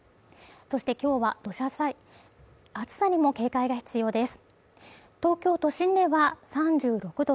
そして今日は暑さにも警戒が必要です。